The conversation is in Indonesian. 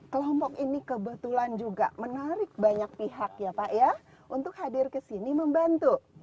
kelompok ini kebetulan juga menarik banyak pihak ya pak ya untuk hadir ke sini membantu